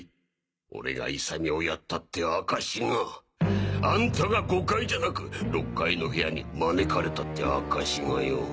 俺が勇美を殺ったって証しが！あんたが５階じゃなく６階の部屋に招かれたって証しがよぉ。